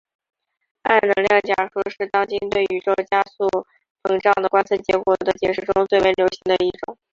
暗能量假说是当今对宇宙加速膨胀的观测结果的解释中最为流行的一种。